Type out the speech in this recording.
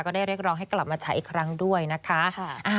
ได้เรียกร้องให้กลับมาฉายอีกครั้งด้วยนะคะ